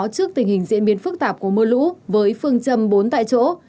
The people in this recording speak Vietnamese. trước tình hình diễn biến phức tạp của mưa lũ với phương châm bốn tại chỗ